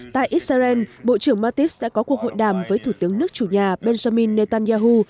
trên iran bộ trưởng mattis đã có cuộc hội đàm với thủ tướng nước chủ nhà benjamin netanyahu